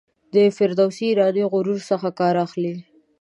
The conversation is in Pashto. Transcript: د فردوسي ایرانی غرور څخه کار اخلي.